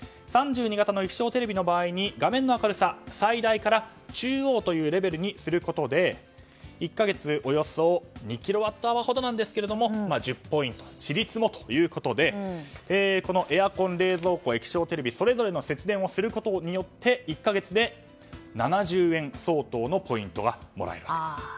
３２型の液晶テレビの場合画面の明るさ最大から中央というレベルにすることで１か月およそ２キロワットアワーほどですが１０ポイント、ちりつもということでエアコン、冷蔵庫液晶テレビ、それぞれの節電をすることによって１か月で７０円相当のポイントがもらえるわけです。